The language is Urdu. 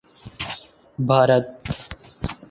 بھارت